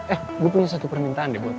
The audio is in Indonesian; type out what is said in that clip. eh gue punya satu permintaan deh buat lo